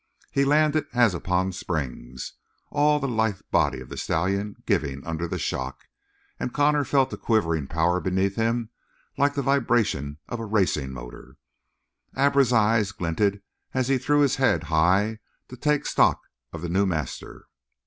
He landed as upon springs, all the lithe body of the stallion giving under the shock; and Connor felt a quivering power beneath him like the vibration of a racing motor. Abra's eyes glinted as he threw his head high to take stock of the new master.